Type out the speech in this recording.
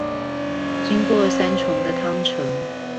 經過三重的湯城